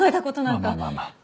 まあまあまあまあ。